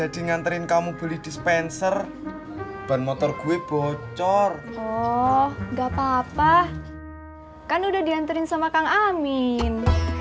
dispenser ban motor gue bocor oh nggak papa kan udah diantarin sama kang amin